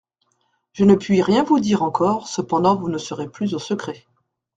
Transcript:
Je ne puis rien vous dire encore, cependant vous ne serez plus au secret.